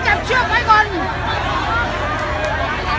ก็ไม่มีเวลาให้กลับมาเท่าไหร่